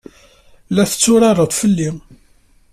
La tetturareḍ fell-i?